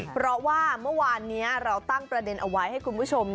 เพราะว่าเมื่อวานนี้เราตั้งประเด็นเอาไว้ให้คุณผู้ชม